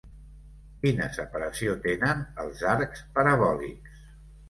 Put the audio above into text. Quina separació tenen els arcs parabòlics?